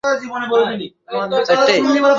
ঠিক এটাই পরিকল্পনা ছিল।